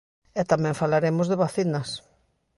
E tamén falaremos de vacinas.